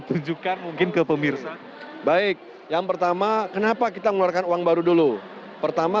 tunjukkan mungkin ke pemirsa baik yang pertama kenapa kita mengeluarkan uang baru dulu pertama